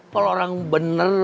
kalo orang bener